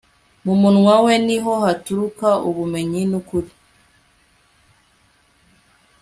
mu munwa we ni ho haturuka ubumenyi n'ukuri